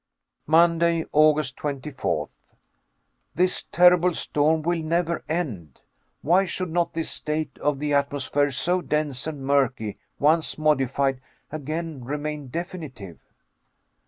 Monday, August 24th. This terrible storm will never end. Why should not this state of the atmosphere, so dense and murky, once modified, again remain definitive?